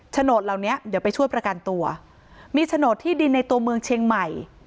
โฉนดเหล่านี้เดี๋ยวไปช่วยประกันตัวมีโฉนดที่ดินในตัวเมืองเชียงใหม่